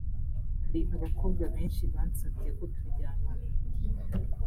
hari abakobwa benshi bansabye ko turyamana